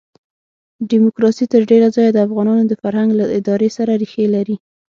ډیموکراسي تر ډېره ځایه د افغانانو د فرهنګ له ادارې سره ریښې لري.